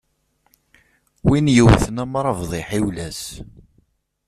Win yewten amrabeḍ iḥiwel-as.